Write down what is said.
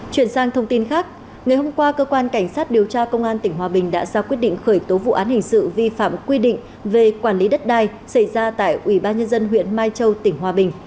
chuyển sang thông tin khác ngày hôm qua cơ quan cảnh sát điều tra công an tỉnh hòa bình đã ra quyết định khởi tố vụ án hình sự vi phạm quy định về quản lý đất đai xảy ra tại ủy ban nhân dân huyện mai châu tỉnh hòa bình